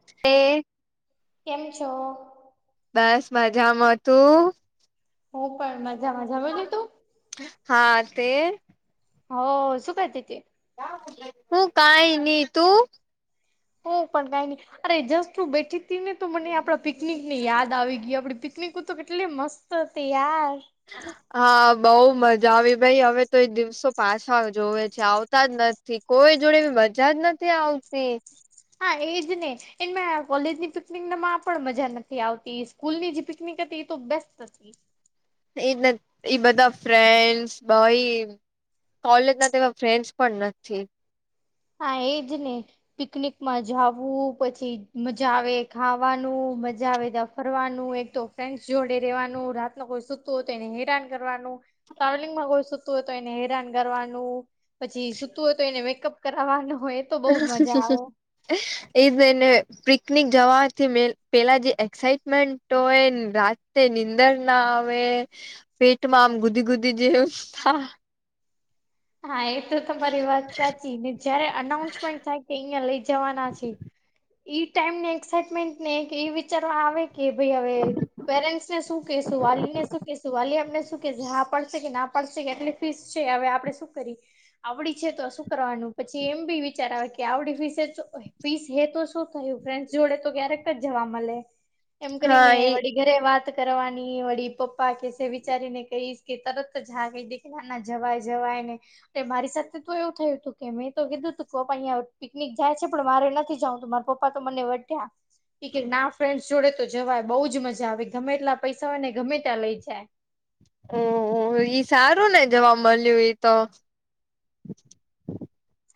[unintelligible] કેમ છો? બસ મજામાં તું? હ પણ મજા મજા બોલે તું. હા તે- હો સુું ખાતી હતી. હું કઈ નહી તું. હ પણ કઈ ની. અરે જસ્ટ હું બેઠી હતી ને તો મને આપણા પિકનિક ની યાદ આવી ગઈ આપડી પિકનિક તો કેટલી મસ્ત તો તેયાર. હા બઉ મજા આવી ભાઈ હવે તો એ દિવસો પાછા જોવે છે આવતા જ નથી. કોઈ જોડે મજા જ નથી આવતી. હા એજ ને એ કોલેજની પિકનિક પણ મજા નથી આવતી. સ્કૂલની જે પિકનિક હતી એ તો બેસ્ટ હતી. એ એ બધા ફ્રેન્ડસ ભાઈ કોલેજ ના તેવા ફ્રેન્ડસ પણ નથી. હા એ જ ને. પિકનિકમાં જાવું પછી મજા આવે ખાવાનું મજા આવે ત ફરવાનું એક તો ફ્રેન્ડ જોડે રેવાનું રાત ન કોઈ સુત હોય તો એને હેરાન કરવાનું. ટ્રાવેલિંગમાં કોઈ સુતું હોય તો એને હેરાન કરવાનું પછી સુતું હોય તો એને મેકઅપ કર કરવાવાનું હોય. તો બહુ મજા છે. આવે એ જને પિકનિક જવાથી પેલા જે એક્સાઈટમેન્ટ તો એ રાતે નીંદર ના આવે. પેટમાં આમ ગુદી ગુદી જેવુ થા હા એ તો તમારી વાત સાચી ને જયારે અનાઉન્સમેન્ટ થાય કે અહિયાં લઈ જવાના છે ઈ ટાઈમ ને એક્સાાઈટમેન્ટ ને એક એ વિચારવા આવે કે ભાઈ હવે પેરેન્ટ્સ ને શું કેહેશું વાલીને શું કેહેશું વાલી એમને શું કેશે હા પડશે કે ના પડશે કે એટલે તીસ છે હવે આપડણે શું કરી આવડી છે તો શું કરવાનું પછી એમ બી વિચાર આવે કે આવડી ફીસે ફીસ હે તો શું થયું ફ્રેન્ડસ જોડે તો ક્યારેક જ જવા મળે એમ હા કરીને એ વડી ઘરે વાત કરવાની વળી પપ્પા કેશે વિચારીને કહીશ કે તરત જ હા કહી દી કે ના ના જવાય જવાય ને તે મારી સાથે તો એવું થયું હતું કે મેં તો કીધું હતું કે પપ્પા અહં પિકનિક જાય છે પણ મારે નથી જવું તોું મારા પપ્પ પા તો મને વધ્યા કે ના ફ્રેન્ડસ જોડે તો જવાય બઉ જ મજા આવે ગમે તેટલા પૈસા હોય ને ગમે ત્યાં લઈ જાય. ઓ ઓ ઈ સારું ને જવા મળ્યું તો.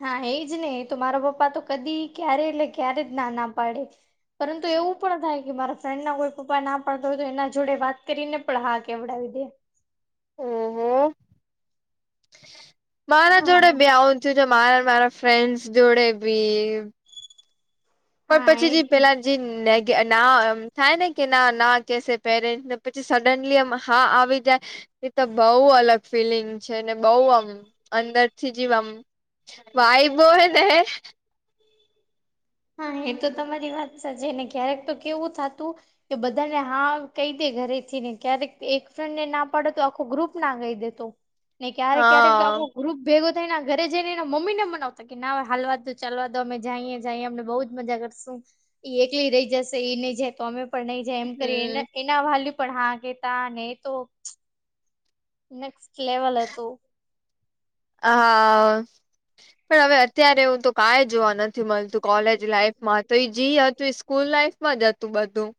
હા એ જ ને તો મારો પપ્પા તો કદી ક્યારે એટલે ક્યારે જ ના ના પાડે. પરંતુ એવું પણ થાય કે મારા ફ્રેન્ડ ના કોઈ પપ્પા ના પાડતા હોય તો એના જોડે વાત કરીને પણ હા કેવડાવી દે. ઓહો મારા જોડે હા બી આઉં છે તો મારા મારા ફ્રેન્ડસ જોડે બી પણ હા પછી જે એ પેલા જે નેટ કે ગા ના થાય ને કે ના ના કેસે પેરેન્ટને પછી સડનલી એમ હા આવી જાય એ તો બહુ અલગ ફિલિંગ છે ને બહુ આમ અંદરથી જીવ આમ વાઈબો ને હા એ તો તમારી વાત સાચે ને ક્યારેક તો કેવું થાતું કે બધાને હા કહી દે ઘરે થી ને ક્યારેક એક ફ્રેન્ડ ને ના પાડે તો આખો ગ્રુપ ના કહી દે. તો ને ક્યારેક ક્યારેક હા આખો ગ્રુપ ભેગો થઈને ઘરે જઈને એને મમ્મીને મવતા કે નાવે હાલવા દો ચાલવા દો અમે જાઈએ જાહીએ અમને બઉજ મજા કરશું. ઈ એકલી રહી જશે ઈ નહી જાય તો અમે પણ નહી જાય એમ કરી એને હમ એના વાલી્ય પણ હા કહેતા ને એ તો નેક્સટ લેવલ હતું. હા, પણ હવે અત્યારે હું તો કાઈ જોવા ન જુ મલતું કોલેજ લાઈફમાં તો જી હતું સ્કૂલ લાઈફમાં જ હતું બધું.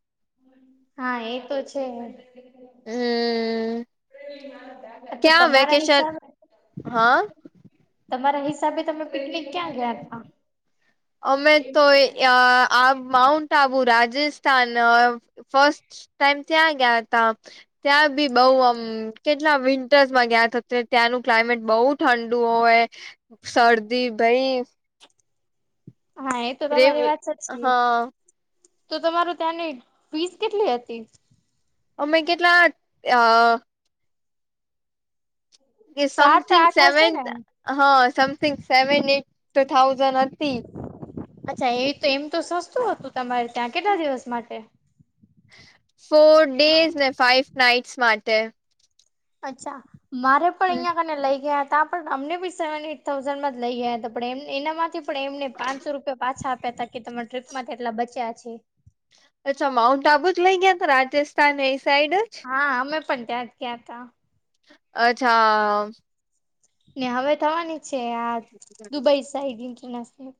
હા, એ તો છે. હમ્મ, તો ક્યાં તમારા વેકેશન હિસાબે હા તમારા હિસાબે તમે પિકનિક ક્યાં ગયા હતા? અમે તો એ આ આ માઉન્ટ આબુ રાજસ્થાન અહ ફસ્ટ ટાઈમ ત્યાં ગયા તા ત્યાં બી બઉ આમ કેટલા વિન્ટર્સમાં ગયા તે ત્યાં નું ક્લાઇમેટ બઉ ઠંડુ હોય શરદી ભઈ હા, એ તો રે તમારી વાત સાચી. હા તો તતમારું ત્યાંની ફીસ કેટલી હતી? અમે કેટલા અહ કે સાત સમથિંગ આઠ હશે સેવન ને હા સમથિંગ સેવન એટ તો થાઉઝન્ડ હતી. અચ્છા એ તો એમ તો સસ્તું હતું તમારે ત્યાં. કેટલા દિવસ માટે? ફોર ડેઝ ને ફાઈવ નાઈટ્સ માટે. અચ્છા મારે પણ હમ અહિયાં કને લઈ ગયા તા આપણ અમને બી સેવ એટ થાઉઝન્ડ માં જ લઈ ગયા હતા પણ એમ એનામાંથી પણ એમને પાંચસો રૂપિયા પાછા આપ્યા તા કે તમારા ટ્રીપમાંથી એટલા બચ્યા છે. અચ્છા માઉન્ટ આબુ જ લઇ ગયા તો રાજસ્થાન એ સાઈડ જ? હા, અમે પણ ત્યાં જ ગયા તા. અચ્છા અ ને હવે થવાની છે આ દુબઈ સાઈડ ઈન્ટરનેશનલ.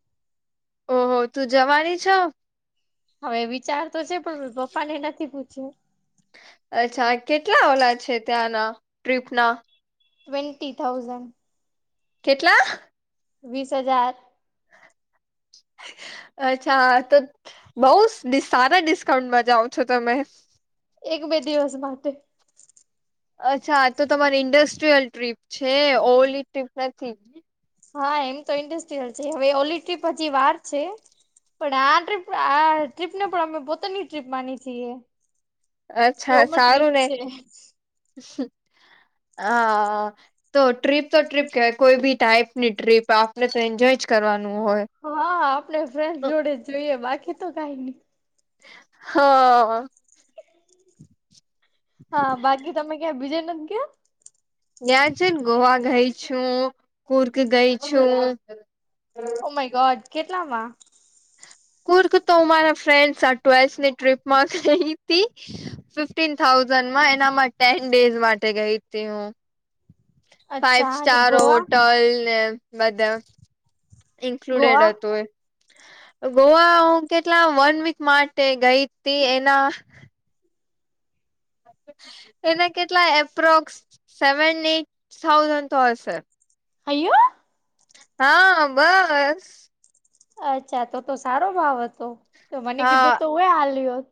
ઓહો તું જવાની છો? હવે વિચાર તો છે પણ મેં પપ્પાને નથી પૂછ્યું. અચ્છા કેટલા ઓલા છે ત્યાંના ટ્રીપના? Twenty thousand. કેટલા? વીસ હજાર. અચ્છા તો બઉ સારા ડિસ્કાઉન્ટમાં જાઓ છો તમે. એક બે દિવસ માટે. અચ્છા તો તમારી ઈન્ડસ્ટ્રીયલ ટ્રીપ છે ઓલી ટ્રીપ નથી. હા એમ તો ઈન્ડસ્ટ્રીયલ છે હવે ઓલી ટ્રીપ હજી વાર છે. પણ આ ટ્રીપ આ ટ્રીપને પણ અમે પોતાની ટ્રીપ માની છીએ. કે ઓમ જ ટ્રિપ છે. અ તો ટ્રીપ તો ટ્રીપ કેહવાય કોઈ બી ટાઈપની ટ્રીપ આપને તો એન્જોય જ કરવાનું હોય. હા આપણે ફ્રેન્ડ જોડે જ જોઈએ બાકી તો કાય ની. હ. હા, બાકી તમે ક્યાં બીજે નથ ગ્યા? ગયા છે ન ગોવા ગઈ છું, કુર્ક ગઈ છું. Oh my god! કેટલામાં? કુર્ક તો મારા ફ્રેન્ડ આ ટ્વેલ્થની ટ્રીપમાં ગઈ હતી. ફિફ્ટીન થાઉઝન્ડમાં એનામાં ટેન ડેઝ માટે ગઈ તી હું. ફાઈવ અચ્છા અને સ્ટાર ગોવા હોટલને બધે. ઈન્ક્લુડેડ ગોવા હતું એ. ગોવા હું કેટલા વન વીક માટે ગઈ તી એનાં એના કેટલા એપ્રોક્સ સેવન એઈટ થાઉઝન્ડ તો હશે. અયયો! હા બસ. અચ્છા તો તો સારો ભાવ હતો તો મને હા કીધું તોય હાલ્યુ હોત.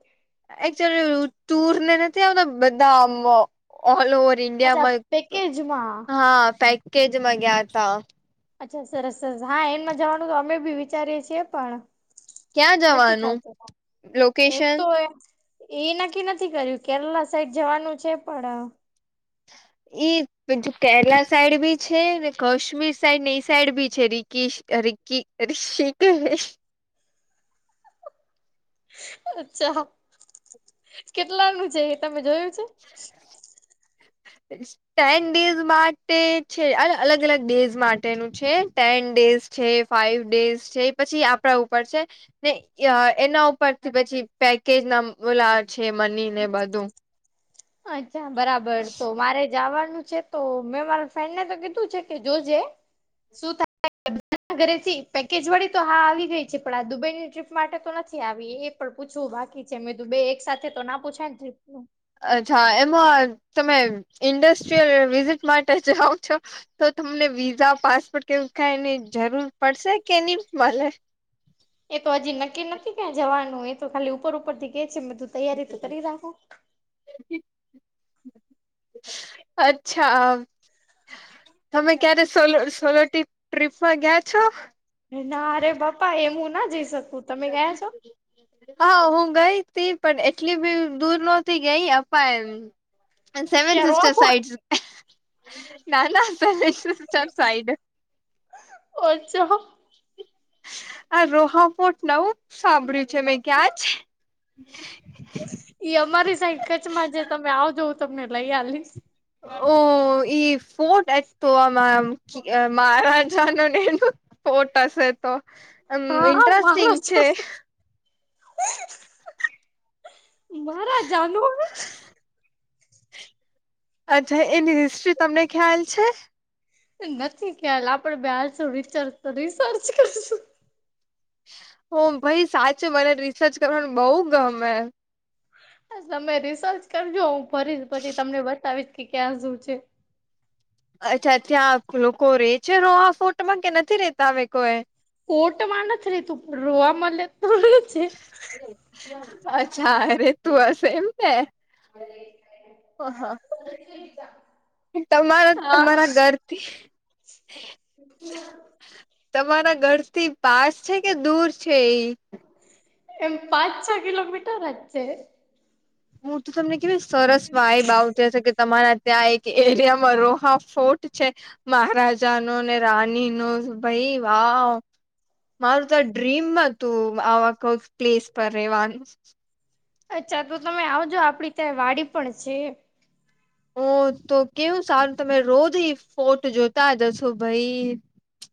એકચુલી ટુરને નથી આવતાં બધાં આમ ઓલ ઓવર અચ્છા ઈન્ડિયામાં પેકેજમાં હા પેકેજમાં ગયા તા. અચ્છા સરસ સરસ, હા એનમાં જવાનું તો અમે બી વિચારીએ છીએ પણ ક્યાં નથી જવાનું ખાતો એમ લોકેશન તો એ એ નક્કી નથી કર્યું કેરલા સાઈડ જવાનું છે પણ ઈ બીજું કેરલા સાઈડ બી છે ને કાશ્મીર સાઈડને એ સાઈડ બી છે રીક રીકીસ કી ઋષિકેશ. અચ્છા કેટલાનું છે એ તમે જોયું છે? [inaudible] [unintelligible] ટેન ડેઝ માટે છે અલગ-અલગ ડેઝ માટેનું છે ટેન ડેઝ છે ફાઈવ ડેઝ છે પછી આપડા ઉપર છે. ને એના ઉપરથી પછી પેકેજ ના ઓલા છે મનીને બધું. અચ્છા બરાબર તો મારે જવાનું છે. તો મેં મારા ફ્રેન્ડને તો કીધું છે કે જોજે શું થાય [inaudible] હ ઘરેથી પેકેજવાળી તો હા આવી ગઈ છે પણ આ દુબઈની ટ્રીપ માટે તો નથી આવી એ પણ પૂછવું બાકી છે મેં તું બે એક સાથે તો ના પૂછાયને ટ્રીપનું. અચ્છા, એમાં તમે ઈન્ડસ્ટ્રીયલ વિઝિટ માટે જાઓ છો? તો તમને વિઝા પાસપોર્ટ કે એવું કાયની જરૂર પડશે કે ની મલે? એ તો હજી નક્કી નથી કયા જવાનું એ તો ખાલી ઉપર ઉપરથી કેય છે બધું તૈયારી તો કરી રાખું. [inaudible] અચ્છા આમ. તમે ક્યારે સોલો સોલો ટી ટ્રીપમાં ગીયા છો? ના રે બાપા એમ હું ના જઈ શકું. તમે ગયા છો? હા હું ગઈ તી પણ એટલી બી દૂર નોતી ગઈ અપાય એમ. એન્ડ સેવન ત્યાં સિસ્ટર રોબોટ સાઈડ ના ના સેવન સિસ્ટર સાઈડ ઓછો આ રોહાપોટ નવું સાંભળ્યું છે મેં ક્યાં છે? એ અમારી સાઈડ કચ્છમાં તમે આવજો તમને લઈ હલીશ. ઓહ ઈ ફોર્ટ એ તો અમા મહારાજનો ફોટ હશે તો એમ હા ઇન્ટરેસ્ટિંગ છે. માહરાજાનુ અચ્છા એની હિસ્ટ્રી તમને ખ્યાલ છે. નથી ખ્યાલ આપડે બહારશું રિચર્ચ તો રિસર્ચ કરીશું ઓ ભાઈ સાચે મને રિસર્ચ કરવાનું બો ગમે. તમે રિસર્ચ કરજો હું ફરી પછી તમને બતાવીશ કે ક્યાં સુું છે. અચ્છા અચ્છા લોકો રે છે રો આ ફોટ માં કે નથી રેતા હવે કોઈ ફોર્ટ મા નથી રેતું રોઆ માં ત [unintelligible] અચ્છા રેતું હશે એમ ને ઓ હા. [unintelligible] તમારા હા તમારા ઘરથી [inaudible] તમારા ઘર થી પાસ છે કે દૂર છે એ ઈ? એમ પાંચ છ કિલોમીટર જ છે. હું તો તમને કેવાય સરસ વાઈબ આવતો હશે કે તમારા ત્યાં એક એરિયામાં રોહા ફોર્ટ છે. મહારાજા નો ને રાની નો ભાઈ વાહ. મારું તો આ ડ્રીમ હતું આવા કોઈક પ્લેસ પર રેવાનું. અચ્છા તો તમે આવજો આપડી ત્યાં વાડી પણ છે. ઓ તો કેવું સારું તમે રોજ એ ફોટ જોતા જ હશો ભઈ.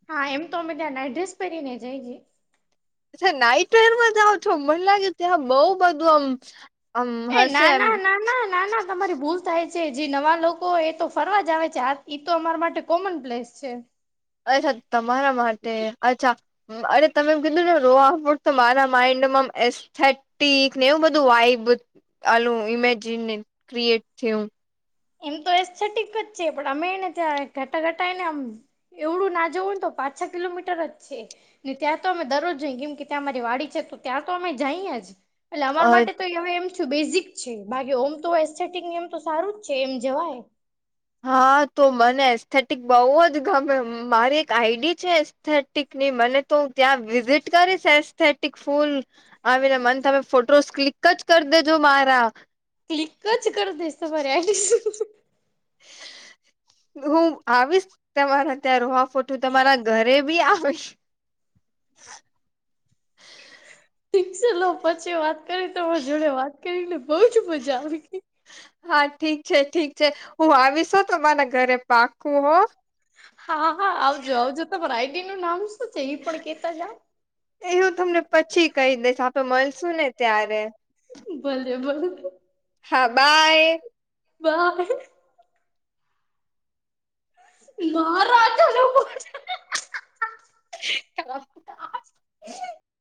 હા એમ તો અમે ત્યાં નાઈટડ્રેસ પેરી ને જઈયે. અચ્છા નાઈટવેરમાં જાઓ છો મને લાગે ત્યાં બો બધું આમ આમ એ ના હશે એમ ના ના ના ના ના તમારી ભૂલ થાય છે જે નવા લોકો એ તો ફરવા જ આવે છે તો અમારા માટે કોમન પ્લેસ છે. અચ્છા તમારા માટે અચ્છા અરે તમે કીધું ને રો તો મારા માઈન્ડ માં એસ થર્ટીક ને એવું બધું આવી ગીયુ ઓલું ઇમેજિન ક્રિએટ થયું. એમ તો એસ્થેટીક જ છે પણ અમે નતા ઘટાઘટાય ને આમ એવડું ના જવું ને તો પાચ છ કિલોમીટર જ છે. ને ત્યાં તો અમે દરરોજ જઈએ કેમ કે ત્યાં અમારી વાડી છે તો ત્યાં તો અમે જઈએ જ. એટલે અમારા માટે તો હવે એમ બેઝિક છે બાકી ઓમ તો એસ્થેટિક એમ તો સારું જ છે એમ જવાય. હા તો મને એસ્થેટિક બઉ જ ગમે. મારી એક આઈડી છે એસ્થેટિકની મને તો હું ત્યાં વિઝિટ કરીશ એસ્થેટિક ફૂલ. આવીને મને તમે ફોટોસ ક્લિક જ કરી દેજો મારા ક્લિક જ કર દસ તો બર આઈ હું આવીશ તમારા ઘર માં ફોટું તમારા ઘરે બી આવ થીકસે લો પછી વાત કરી તમારા જોડે વાત કરી ને બઉજ મજા આવી. હા ઠીક છે ઠીક છે હું આવીશ હો તો તમારા ઘરે પાકુ હો. હા હા આવજો આવજો તમારા આઈડી નું નામ શું છે એ પણ કેતા જાવ. એવું તમને પછી કહી દઈશ આપે મળશું ને ત્યારે. ભલે ભલે. હા બાય. બાય. મહારાજાનું